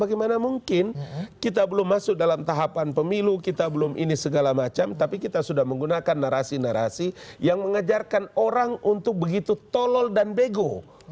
bagaimana mungkin kita belum masuk dalam tahapan pemilu kita belum ini segala macam tapi kita sudah menggunakan narasi narasi yang mengajarkan orang untuk begitu tolol dan bego